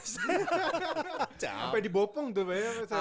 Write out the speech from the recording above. sampai dibopong tuh pak ya